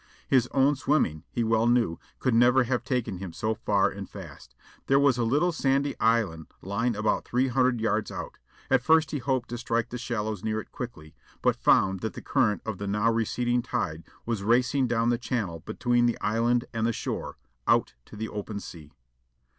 His own swimming, he well knew, could never have taken him so far and fast. There was a little sandy island lying about three hundred yards out. At first he hoped to strike the shallows near it quickly, but found that the current of the now receding tide was racing down the channel between the island and the shore, out to the open sea.